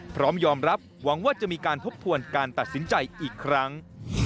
พร้อมยอมรับหวังว่าจะมีการทบทวนการตัดสินใจอีกครั้ง